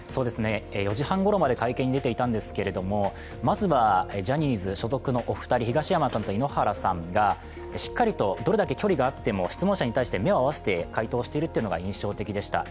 ４時半ごろまで会見に出ていたんですが、まずはジャニーズ所属のお二人、東山さんと井ノ原さんがしっかりとどれだけ距離があっても質問者に目を合わせて回答しているというのが印象的でした。